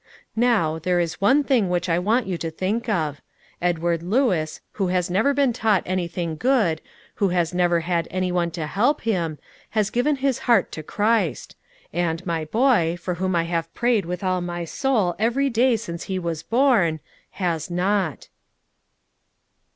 Now, there is one thing which I want you to think of. Edward Lewis, who has never been taught anything good, who has never had any one to help him, has given his heart to Christ; and my boy, for whom I have prayed with, all my soul every day since he was born, has not."